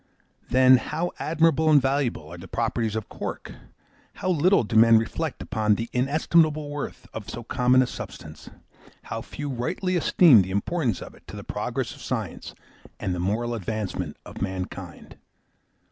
Then, how admirable and valuable are the properties of Cork! How little do men reflect upon the inestimable worth of so common a substance! How few rightly esteem the importance of it to the progress of science, and the moral advancement of mankind!